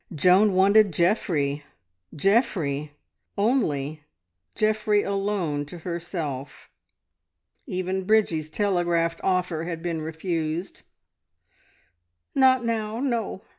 Joan wanted Geoffrey Geoffrey, only Geoffrey alone to herself. Even Bridgie's telegraphed offer had been refused. "Not now! No.